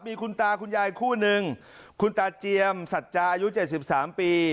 มีคุณตาคุณยายคู่หนึ่งคุณตาเจียมสัตยายุดเจ็ดสิบสามปี